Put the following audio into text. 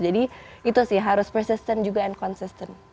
jadi itu sih harus persisten juga and consistent